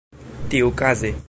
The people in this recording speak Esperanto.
tiukaze